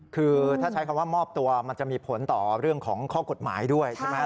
คือถ้าใช้คำว่ามอบตัวมันจะมีผลต่อเรื่องของข้อกฎหมายด้วยใช่ไหม